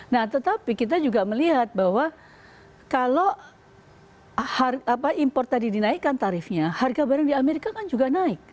nah tetapi kita juga melihat bahwa kalau impor tadi dinaikkan tarifnya harga barang di amerika kan juga naik